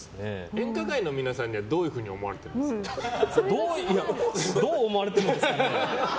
演歌界の皆さんにはどういうふうにどう思われてるんですかね。